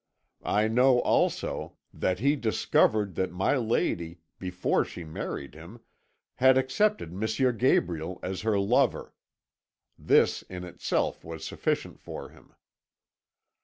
I know, also, that he discovered that my lady, before she married him, had accepted M. Gabriel as her lover. This in itself was sufficient for him.